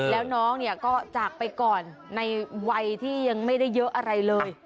แล้วน้องเนี่ยก็จากไปก่อนในวัยที่ยังไม่ได้เยอะอะไรเลย